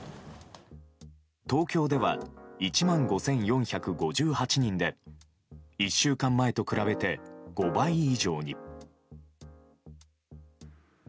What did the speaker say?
東京では１万５４５８人で１週間前と比べて５倍以上に。